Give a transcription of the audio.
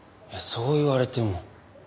そう言われても。